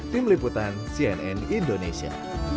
tim liputan cnn indonesia